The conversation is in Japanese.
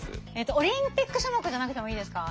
オリンピック種目じゃなくてもいいですか？